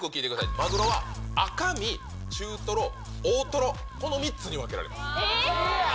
マグロは赤身、中トロ、大トロ、この３つに分けられます。